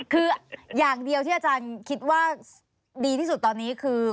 คืออย่างเดียวที่อาจารย์คิดว่าดีที่สุดตอนนี้คือ